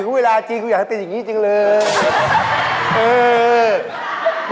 ถึงเวลาจริงกูอยากติดจริงเลย